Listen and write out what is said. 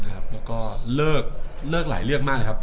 แล้วก็เลิกหลายเรื่องมากนะครับ